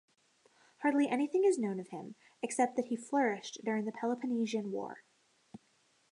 Hardly anything is known of him, except that he flourished during the Peloponnesian War.